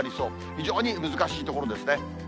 非常に難しいところですね。